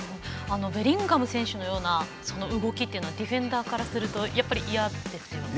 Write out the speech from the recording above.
ベリンガム選手のような動きはディフェンダーからすると嫌ですよね。